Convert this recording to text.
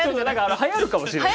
はやるかもしれない。